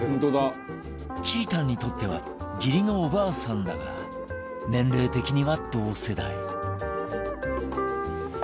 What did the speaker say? ちーたんにとっては義理のおばあさんだが年齢的には同世代